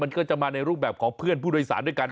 มันก็จะมาในรูปแบบของเพื่อนผู้โดยสารด้วยกัน